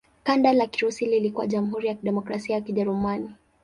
Kanda la Kirusi lilikuwa Jamhuri ya Kidemokrasia ya Kijerumani.